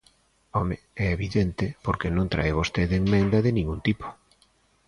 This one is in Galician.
¡Home!, é evidente, porque non trae vostede emenda de ningún tipo.